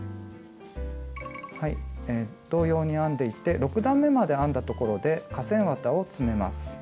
同様に編んでいって６段めまで編んだところで化繊綿を詰めます。